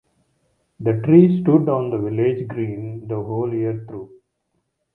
The tree stood on the village green the whole year through.